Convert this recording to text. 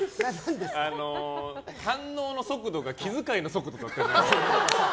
反応の速度が気遣いの速度でしたね。